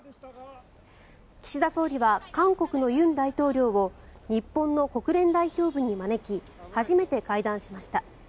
岸田総理は、韓国の尹大統領を日本の国連代表部に招き初めて会談しました。